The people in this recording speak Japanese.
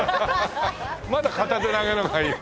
まだ片手投げの方がいい。